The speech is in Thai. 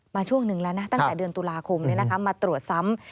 ช่วงหนึ่งแล้วนะตั้งแต่เดือนตุลาคมมาตรวจซ้ำ